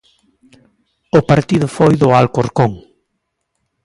O partido foi do Alcorcón.